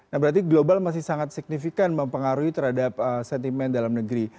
nah berarti global masih sangat signifikan mempengaruhi terhadap sentimen dalam negeri